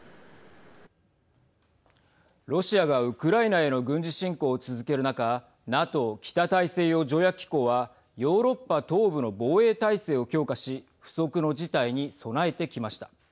ロシアがウクライナへの軍事侵攻を続ける中ＮＡＴＯ＝北大西洋条約機構はヨーロッパ東部の防衛態勢を強化し不測の事態に備えてきました。